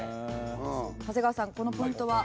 長谷川さんこのポイントは？